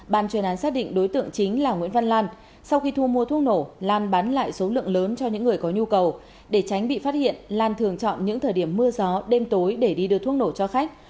ban chuyên án xác định đối tượng chính là nguyễn văn lan sau khi thu mua thuốc nổ lan bán lại số lượng lớn cho những người có nhu cầu để tránh bị phát hiện lan thường chọn những thời điểm mưa gió đêm tối để đi đưa thuốc nổ cho khách